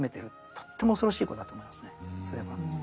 とっても恐ろしいことだと思いますねそれは。